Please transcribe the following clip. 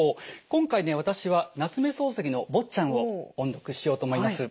今回ね私は夏目漱石の「坊っちゃん」を音読しようと思います。